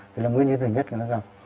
thì là nguyên nhân thứ nhất mà chúng ta gặp